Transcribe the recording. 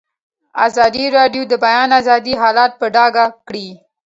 ازادي راډیو د د بیان آزادي حالت په ډاګه کړی.